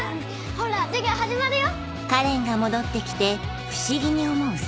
ほら授業始まるよ！